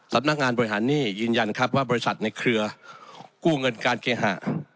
สำนักงานบริหารหนี้ยืนยันครับว่าบริษัทในเครือกู้เงินการเคหะ